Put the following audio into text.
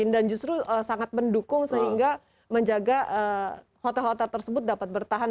dan justru sangat mendukung sehingga menjaga hotel hotel tersebut dapat bertahan